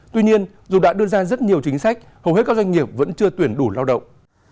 tuy nhiên dù đã đưa ra rất nhiều chính sách hầu hết các doanh nghiệp vẫn chưa tuyển đủ lao động